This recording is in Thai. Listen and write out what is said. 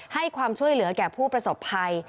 ให้ความช่วยเหลือแก่ผู้ประสบภัย